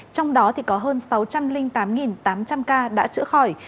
trong đó thì có hơn sáu trăm linh tám tám trăm linh ca đã chữa khỏi